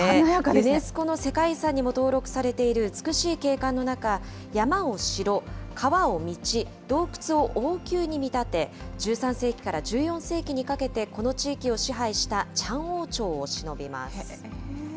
ユネスコの世界遺産にも登録されている美しい景観の中、山を城、川を道、洞窟を王宮に見立て、１３世紀から１４世紀にかけて、この地域を支配したチャン王朝をしのびます。